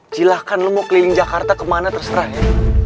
jilakan lo mau keliling jakarta kemana terserah ya